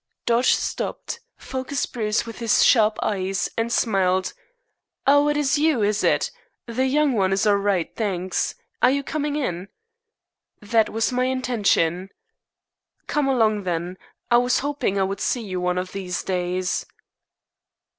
Dodge stopped, focussed Bruce with his sharp eyes, and smiled: "Oh, it is you, is it? The young 'un is all right, thanks. Are you coming in?" "That was my intention." "Come along then. I was hoping I would see you one of these days."